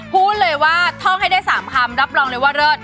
พูดเลยว่าท่องให้ได้๓คำรับรองเลยว่าเลิศ